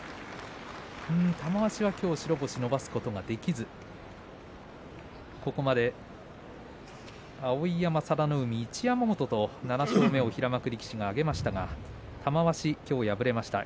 玉鷲は、きょう白星を伸ばすことができずここまで碧山、佐田の海一山本と７勝目を平幕力士は挙げしたが玉鷲はきょう敗れました。